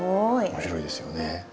面白いですよね。